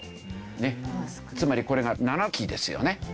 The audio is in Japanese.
つまりこれが７基ですよね。